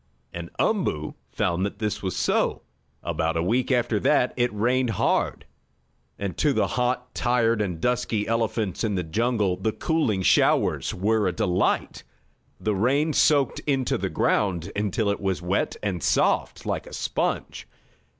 And Umboo found that this was so. About a week after that it rained hard, and to the hot, tired and dusty elephants in the jungle the cooling showers were a delight. The rain soaked into the ground, until it was wet and soft, like a sponge.